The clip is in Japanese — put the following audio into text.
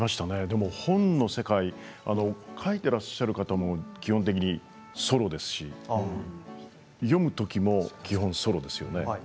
でも本の世界書いていらっしゃる方も基本的にソロですし読むときも基本ソロですよね。